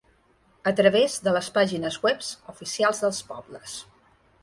A través de les pàgines webs oficials dels pobles.